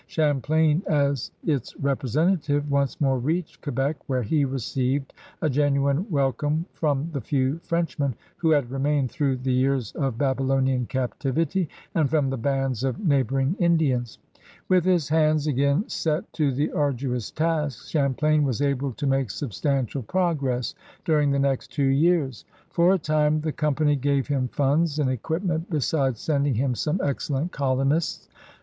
Champlain, as its repre sentative, once more reached Quebec, where he received a genuine welcome from the few French men who had remained through the years of Babylonian captivity, and from the bands of neighboring Indians. With his hands again set to the arduous tasks, Champlain was able to make substantial progress during the nert two years. For a time the Company gave him funds and equipment besides sending him some excellent colonists.